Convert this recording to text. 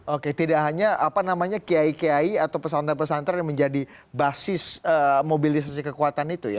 oke tidak hanya apa namanya kiai kiai atau pesantren pesantren yang menjadi basis mobilisasi kekuatan itu ya